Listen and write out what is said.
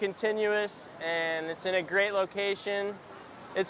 sangat berterusan dan berada di lokasi yang bagus